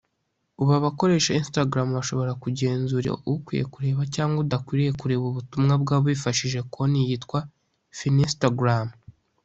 ubu abakoresha Instagram bashobora kugenzura ukwiye kureba cyangwa udakwiye kureba ubutumwa bwabo bifashishije konti yitwa 'Finstagrams'